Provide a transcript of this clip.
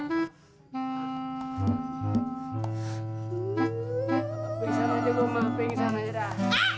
pergi sana aja lomba pergi sana aja dah